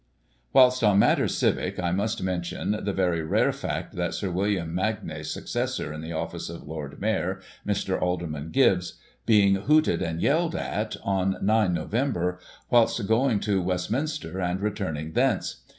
Whilst on matters civic I must mention the very rare fact of Sir William Magnay's successor in the office of Lord Mayor (Mr. Alderman Gibbs), being hooted and yelled at, on 9 Nov., whilst going to Westminster, and returning thence.